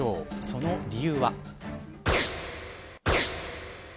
その理由は。